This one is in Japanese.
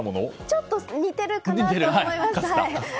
ちょっと似てるかなと思います。